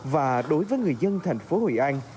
và đối với người dân thành phố hội an